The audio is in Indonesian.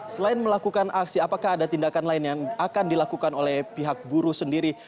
selain melakukan aksi apakah ada tindakan lain yang akan dilakukan oleh pihak buruh sendiri